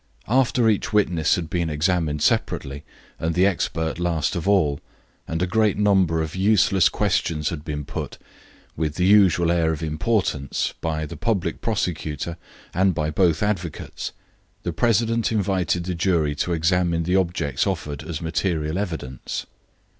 After each witness had been examined separately and the expert last of all, and a great number of useless questions had been put, with the usual air of importance, by the public prosecutor and by both advocates, the president invited the jury to examine the objects offered as material evidence.